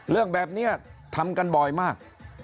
เรื่องแบบนี้ทำกันบ่อยมาก